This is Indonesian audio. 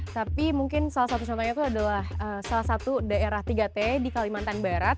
tapi mungkin salah satu contohnya itu adalah salah satu daerah tiga t di kalimantan barat